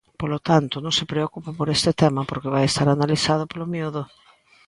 Polo tanto, non se preocupen por este tema porque vai estar analizado polo miúdo.